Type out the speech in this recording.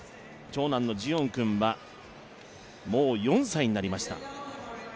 長男のジオン君はもう４歳になりました。